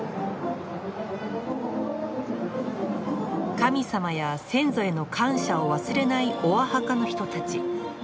神様や先祖への感謝を忘れないオアハカの人たち。